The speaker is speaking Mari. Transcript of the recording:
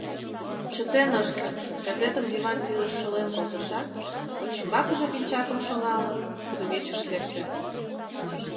Чытен ыш керт, газетым диван тӱрыш шолен колтышат, вачӱмбакыже пинчакым шоҥалын, кудывечыш лекте.